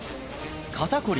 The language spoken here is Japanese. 肩こり・